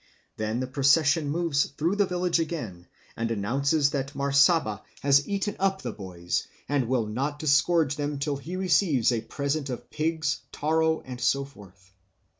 Then the procession moves through the village again, and announces that Marsaba has eaten up the boys, and will not disgorge them till he receives a present of pigs, taro, and so forth.